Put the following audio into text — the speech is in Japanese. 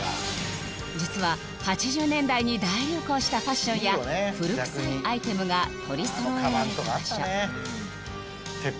実は８０年代に大流行したファッションや古くさいアイテムが取りそろえられた場所